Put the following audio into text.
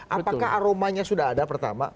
apakah aromanya sudah ada pertama